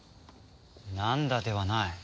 「なんだ？」ではない。